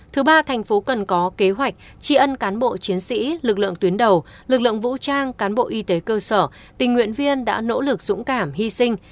thứ ba thành phố cần có kế hoạch tri ân cán bộ chiến sĩ lực lượng tuyến đầu lực lượng vũ trang cán bộ y tế cơ sở tình nguyện viên đã nỗ lực dũng cảm hy sinh